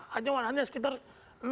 hanya sekitar sekian persen